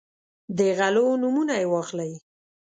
د غلو نومونه یې واخلئ.